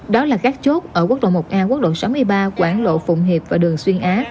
đó là các chốt ở quốc lộ một a quốc lộ sáu mươi ba quảng lộ phụng hiệp và đường xuyên á